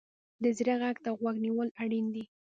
د زړه غږ ته غوږ نیول اړین دي.